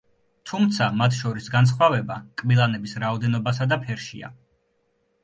თუმცა მათ შორის განსხვავება კბილანების რაოდენობასა და ფერშია.